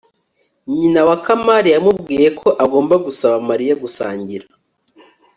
nyina wa kamali yamubwiye ko agomba gusaba mariya gusangira